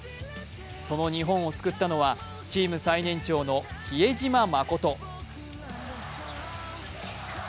その日本を救ったのは、チーム最年長の比江島慎。